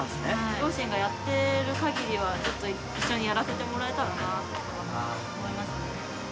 両親がやっているかぎりは、ちょっと一緒にやらせてもらえたなって思いますね。